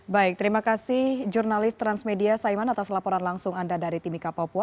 baik terima kasih jurnalis transmedia saiman atas laporan langsung anda dari timika papua